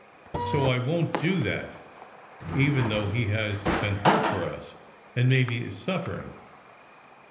So I won t do that, even though he has been hurt for us, and maybe is suffering."